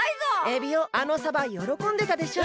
エビオあのさばよろこんでたでしょ？